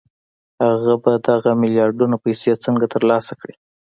هغه به دغه ميلياردونه پيسې څنګه ترلاسه کړي؟